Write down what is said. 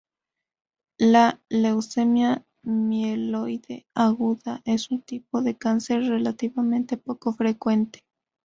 La leucemia mieloide aguda es un tipo de cáncer relativamente poco frecuente.